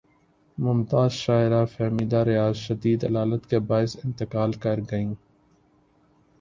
ممتاز شاعرہ فہمیدہ ریاض شدید علالت کے باعث انتقال کر گئیں